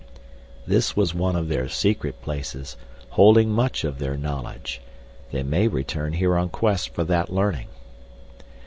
"This was one of their secret places, holding much of their knowledge. They may return here on quest for that learning."